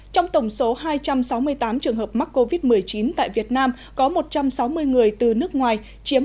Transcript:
trong tổng số hai trăm sáu mươi tám trường hợp mắc covid một mươi chín tại việt nam có một trăm sáu mươi người từ nước ngoài chiếm ba mươi